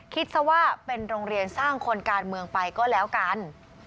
คิดซะว่าเป็นโรงเรียนสร้างคนการเมืองไปก็แล้วกัน